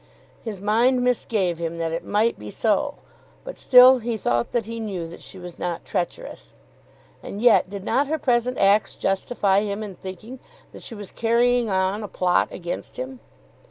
His mind misgave him that it might be so; but still he thought that he knew that she was not treacherous. And yet did not her present acts justify him in thinking that she was carrying on a plot against him?